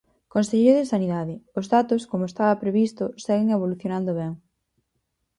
Conselleiro de Sanidade: Os datos, como estaba previsto, seguen evolucionando ben.